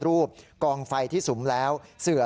พระขู่คนที่เข้าไปคุยกับพระรูปนี้